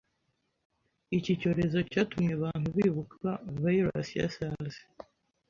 Iki cyorezo cyatumye abantu bibuka virus ya Sars